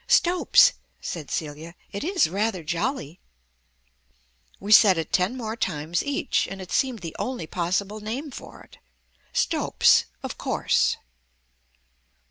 "Stopes," said Celia. "It is rather jolly." We said it ten more times each, and it seemed the only possible name for it. Stopes of course.